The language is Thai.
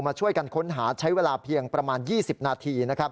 มาช่วยกันค้นหาใช้เวลาเพียงประมาณ๒๐นาที